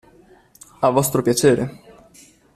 A vostro piacere!